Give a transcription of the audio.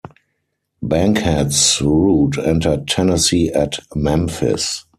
Bankhead's route entered Tennessee at Memphis.